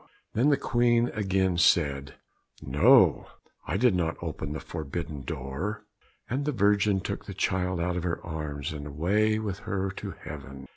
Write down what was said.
Then the Queen again said, "No, I did not open the forbidden door;" and the Virgin took the child out of her arms, and away with her to heaven.